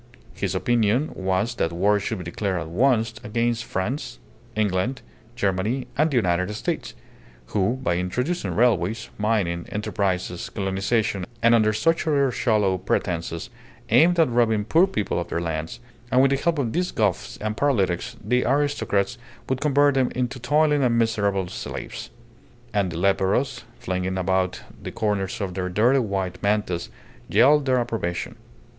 His opinion was that war should be declared at once against France, England, Germany, and the United States, who, by introducing railways, mining enterprises, colonization, and under such other shallow pretences, aimed at robbing poor people of their lands, and with the help of these Goths and paralytics, the aristocrats would convert them into toiling and miserable slaves. And the leperos, flinging about the corners of their dirty white mantas, yelled their approbation.